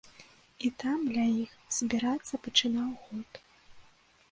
І там, ля іх, збірацца пачынаў гурт.